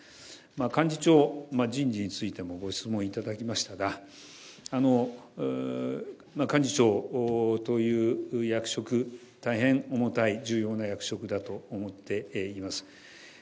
幹事長人事についてもご質問頂きましたが、幹事長という役職、大変重たい重要な役職だと思っています。